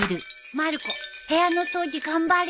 まる子部屋の掃除頑張るよ。